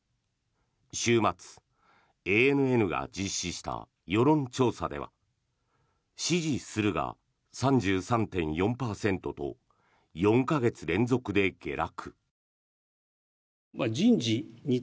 週末、ＡＮＮが実施した世論調査では支持するが３３．４％と４か月連続で下落。